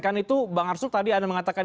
kan itu bang arsul tadi anda mengatakan